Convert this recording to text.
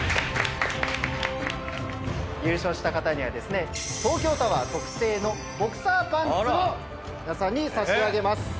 優勝した方にはですね東京タワー特製のボクサーパンツを皆さんに差し上げます。